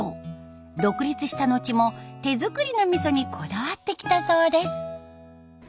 独立した後も手造りのみそにこだわってきたそうです。